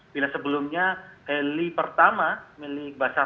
bila sebelumnya heli pertama milik basarna semarang